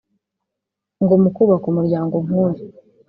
ngo mu kubaka umuryango nk’uyu